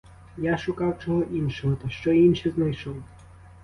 Я шукав чого іншого, та що інше знайшов.